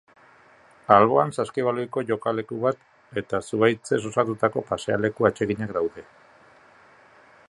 Alboan, saskibaloiko jokaleku bat eta zuhaitzez osatutako pasealeku atseginak daude.